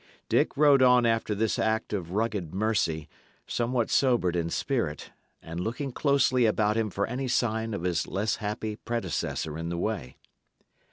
Dick rode on after this act of rugged mercy, somewhat sobered in spirit, and looking closely about him for any sign of his less happy predecessor in the way.